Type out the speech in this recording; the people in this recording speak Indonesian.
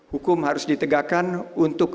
hukum harus ditegakkan untuk